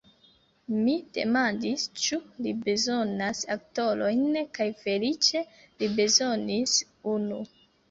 Mi demandis, ĉu li bezonas aktorojn kaj feliĉe li bezonis unu.